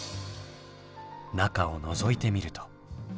中をのぞいてみると。